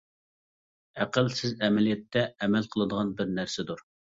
ئەقىل سىز ئەمەلىيەتتە ئەمەل قىلىدىغان بىر نەرسىدۇر.